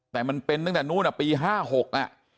แต่มันเป็นตั้งแต่นู้นอ่ะปี๕๖อ่ะ